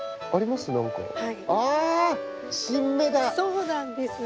そうなんです。